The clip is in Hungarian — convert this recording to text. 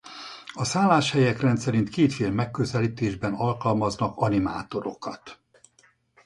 A szálláshelyek rendszerint kétféle megközelítésben alkalmaznak animátorokat.